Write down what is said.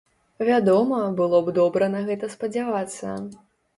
Вядома, было б добра на гэта спадзявацца.